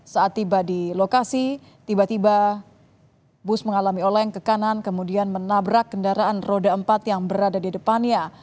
saat tiba di lokasi tiba tiba bus mengalami oleng ke kanan kemudian menabrak kendaraan roda empat yang berada di depannya